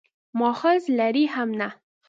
مأخذ لري هم نه.